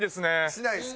しないですか？